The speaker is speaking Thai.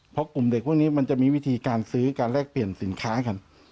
เพราะกลุ่มเด็กพวกนี้มันจะมีวิธีการซื้อการแลกเปลี่ยนสินค้ากัน